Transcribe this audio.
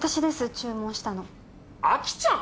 注文したのあきちゃん！？